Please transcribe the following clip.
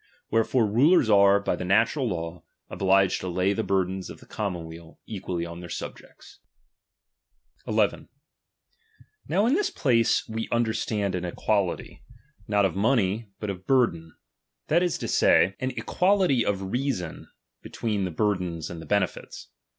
'*tierefore rulers are, by the natural law, obliged tc> lay the burthens of the commonweal equally on ttieir subjects. 3 1 . Now in this place we understand an equality, n i^ ^ot of money, but of burthen ; that is to say, an 'Xi DOMIXIOS. xm. e<iaality of reason between the burtheDS and tbe benefita.